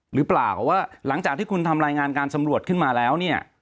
หรือเปล่าว่าหลังจากที่คุณทำรายงานการสำรวจขึ้นมาแล้วเนี่ย